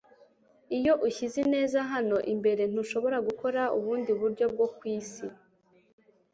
iyo ushizeho ineza hano [imbere], ntushobora gukora ubundi buryo bwo kwisi